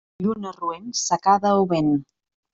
Lluna roent, secada o vent.